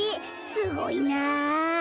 すごいな。